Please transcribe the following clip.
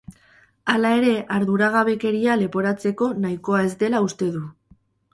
Hala ere, arduragabekeria leporatzeko nahikoa ez dela uste du.